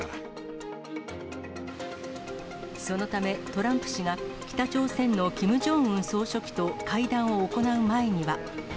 そのため、トランプ氏が北朝鮮のキム・ジョンウン総書記と会談を行う前には。